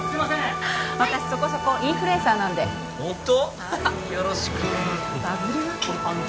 私そこそこインフルエンサーなんでホント？